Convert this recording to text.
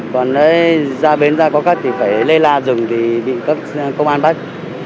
còn ra bến ra có cắt thì phải lây la rừng thì bị các công an bắt